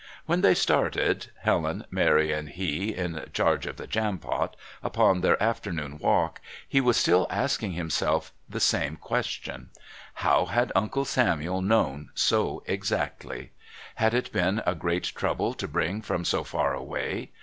When they started Helen, Mary and he in charge of the Jampot upon their afternoon walk, he was still asking himself the same questions. How had Uncle Samuel known so exactly? Had it been a great trouble to bring from so far away?